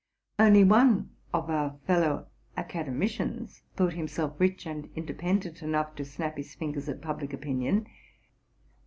Only one of our fellow academicians thought himself rich and independ ent enough to snap his fingers at public opinion.